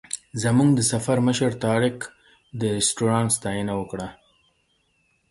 زموږ د سفر مشر طارق د رسټورانټ ستاینه وکړه.